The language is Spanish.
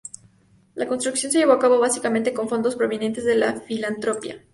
La construcción se llevó a cabo básicamente con fondos provenientes de la filantropía.